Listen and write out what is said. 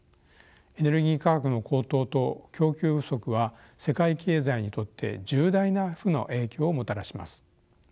エネルギー価格の高騰と供給不足は世界経済にとって重大な負の影響をもたらします。